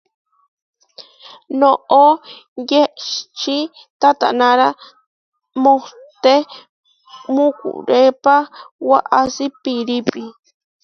Noʼó yehčí tatanára mohté mukurépa waʼasí pirípi.